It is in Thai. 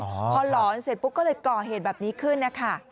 พอหลอนเสร็จก็เลยก่อเหตุแบบนี้ขึ้น